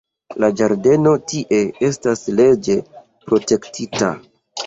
La ĝardeno tie estas leĝe protektita.